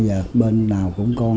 bây giờ bên nào cũng con